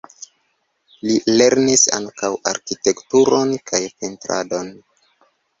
Li lernis ankaŭ arkitekturon kaj pentradon.